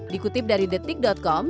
dikutip dari detik com